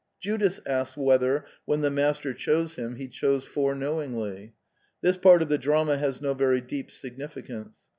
Judas asks whether, when the Master chose him, he chose foreknowingly. This part of the drama has no very deep significance.